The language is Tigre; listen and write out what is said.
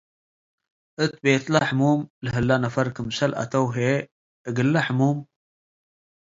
እት ቤትለ ሕሙም ለሀለ ነፈር ክምሰል አተው ህዬ እግለ ሕሙም፤